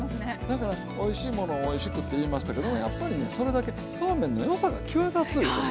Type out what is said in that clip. だからおいしいものをおいしくって言いましたけどもやっぱりねそれだけそうめんの良さが際立ついうこと。